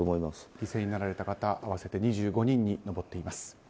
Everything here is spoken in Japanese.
犠牲になられた方合わせて２５人に上っています。